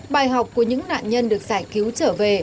bài học của những nạn nhân được giải cứu trở về